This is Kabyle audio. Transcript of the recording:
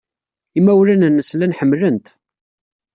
Imawlan-nnes llan ḥemmlen-t.